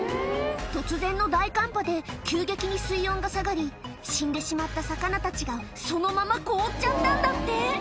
突然の大寒波で、急激に水温が下がり、死んでしまった魚たちが、そのまま凍っちゃったんだって。